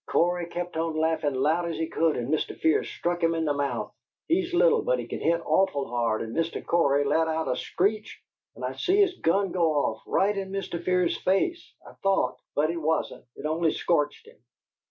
Cory kept on laughin' loud as he could, and Mr. Fear struck him in the mouth. He's little, but he can hit awful hard, and Mr. Cory let out a screech, and I see his gun go off right in Mr. Fear's face, I thought, but it wasn't; it only scorched him.